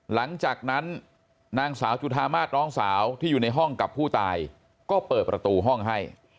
หลังจากนั้นนางสาวจุธามาศน้องสาวที่อยู่ในห้องกับผู้ตายก็เปิดประตูห้องให้